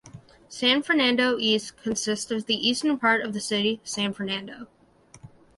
San Fernando East consists of the eastern part of the city of San Fernando.